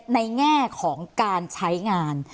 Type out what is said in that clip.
แง่ของการใช้งาน